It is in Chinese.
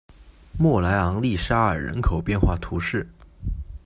莫莱昂利沙尔人口变化图示